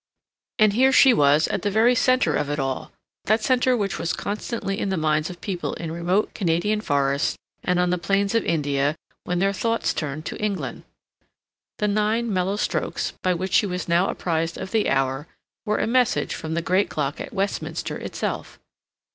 And here she was at the very center of it all, that center which was constantly in the minds of people in remote Canadian forests and on the plains of India, when their thoughts turned to England. The nine mellow strokes, by which she was now apprised of the hour, were a message from the great clock at Westminster itself.